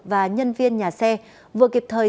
và nhân viên nhà xe vừa kịp thời